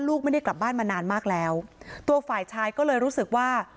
ไม่ได้กลับบ้านมานานมากแล้วตัวฝ่ายชายก็เลยรู้สึกว่า